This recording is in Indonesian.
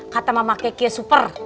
kata mama keknya super